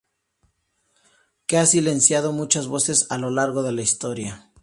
que ha silenciado muchas voces a lo largo de la historia